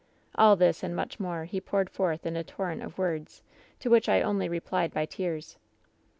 "All this, and much more, he poured forth in a tor rent of words, to which I only replied by tears.